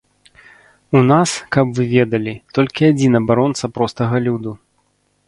У нас, каб вы ведалі, толькі адзін абаронца простага люду.